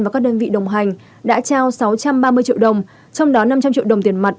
và các đơn vị đồng hành đã trao sáu trăm ba mươi triệu đồng trong đó năm trăm linh triệu đồng tiền mặt